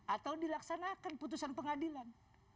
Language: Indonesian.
atau dilaksanakan putusan pengadilan